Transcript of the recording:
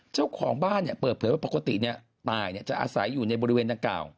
เจ้าของบ้านเนี่ยเปิดเผยว่าปกติเนี่ยตายเนี่ยจะอาศัยอยู่ในบริเวณดังเก่า